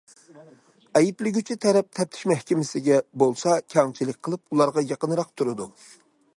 ئەيىبلىگۈچى تەرەپ تەپتىش مەھكىمىسىگە بولسا كەڭچىلىك قىلىپ، ئۇلارغا يېقىنراق تۇرىدۇ.